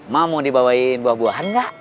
mak mau dibawain buah buahan gak